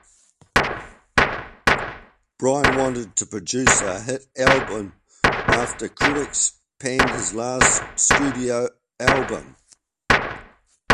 Bryan wanted to produce a hit album after critics panned his last studio album.